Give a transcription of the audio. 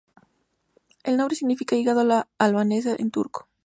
El nombre significa ""hígado a la albanesa"" en turco.